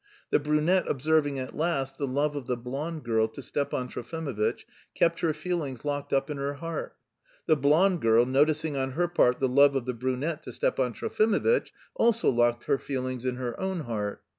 The brunette observing at last the love of the blonde girl to Stepan Trofimovitch, kept her feelings locked up in her heart. The blonde girl, noticing on her part the love of the brunette to Stepan Trofimovitch, also locked her feelings in her own heart.